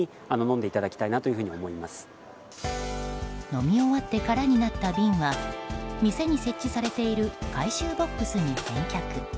飲み終わって空になった瓶は店に設置されている回収ボックスに返却。